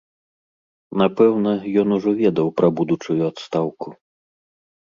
Напэўна, ён ужо ведаў пра будучую адстаўку.